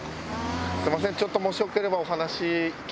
すいませんちょっともしよければ。